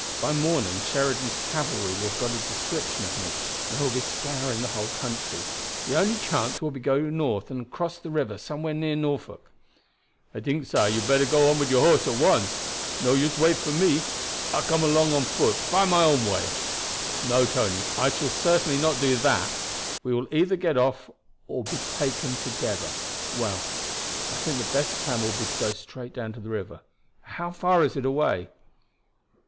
"By morning Sheridan's cavalry will have got a description of me, and they will be scouring the whole country. The only chance will be to go north and cross the river somewhere near Norfolk." "I think, sah, you better go on wid your horse at once. No use wait for me. I come along on foot, find my own way." "No, Tony, I shall certainly not do that. We will either get off or be taken together. Well, I think the best plan will be to go straight down to the river. How far is it away?"